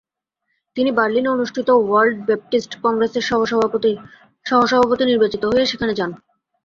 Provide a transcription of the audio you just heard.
তিনি বার্লিনে অনুষ্ঠিত word Baptist কংগ্রেসের সহ-সভাপতি নির্বাচিত হয়ে সেখানে যান।